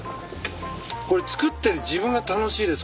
これ作ってる自分が楽しいです